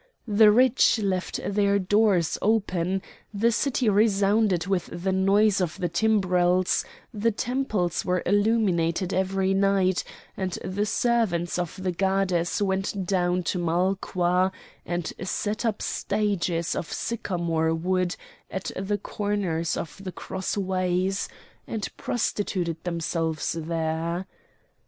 The rich left their doors open; the city resounded with the noise of the timbrels; the temples were illuminated every night, and the servants of the goddess went down to Malqua and set up stages of sycamore wood at the corners of the cross ways, and prostituted themselves there.